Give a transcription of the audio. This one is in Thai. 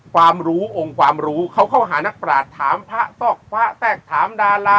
ความรู้องค์ความรู้เขาเข้าหานักปราศถามพระซอกพระแทรกถามดารา